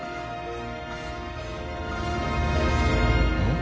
ん？